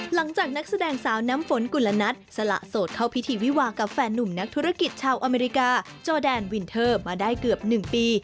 นักแสดงสาวน้ำฝนกุลนัทสละโสดเข้าพิธีวิวากับแฟนนุ่มนักธุรกิจชาวอเมริกาจอแดนวินเทอร์มาได้เกือบ๑ปี